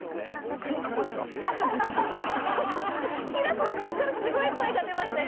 変な声出た平子さんからすごい声が出ました